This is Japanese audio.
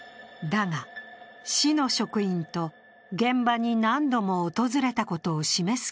だが、市の職員と現場に何度も訪れたことを示す